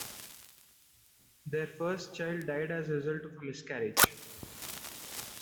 Their first child died as a result of a miscarriage.